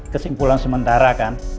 kesimpulan sementara kan